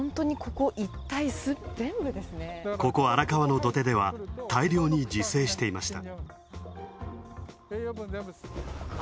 ここ荒川の土手では大量に自生していました。